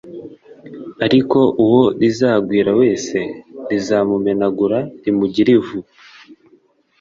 ariko uwo rizagwira wese, rizamumenagura rimugire ivu. »